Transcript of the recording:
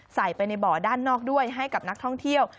ใส่ไปในบ่อด้านนอกด้วยให้กับนักท่องเที่ยว